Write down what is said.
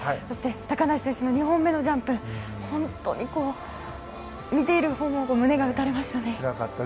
そして高梨選手の２本目のジャンプ本当に見ているほうも胸が打たれましたね。